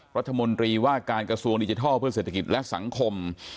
รัฐมนตรีว่าการกระทรวงดิจิทัลเพื่อเศรษฐกิจและสังคม